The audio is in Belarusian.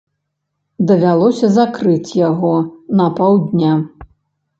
Давялося закрыць яго на паўдня.